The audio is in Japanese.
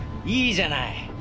いいじゃない。